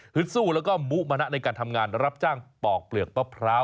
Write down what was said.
สู้แล้วก็มุมานะในการทำงานรับจ้างปอกเปลือกมะพร้าว